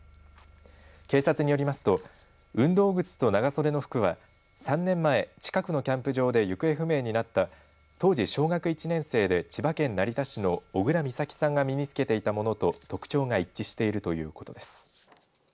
警察によりますと運動靴と長袖の服は３年前近くのキャンプ場で行方不明になった当時小学１年生で千葉県成田市の小倉美咲さんが身につけていたものと特徴が一致しているということです。